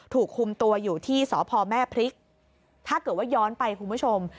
ถูกคุมตัวอยู่ที่สพแม่พริกถ้าเกิดว่าย้อนไปคุณผู้ชม